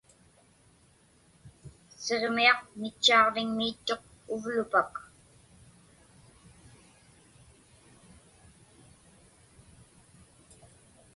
Siġmiaq mitchaaġviŋmiittuq uvlupak.